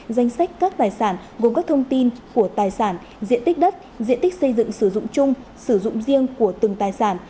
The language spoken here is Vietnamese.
danh sách các tài sản gồm các thông tin của tài sản diện tích đất diện tích xây dựng sử dụng chung sử dụng riêng của từng tài sản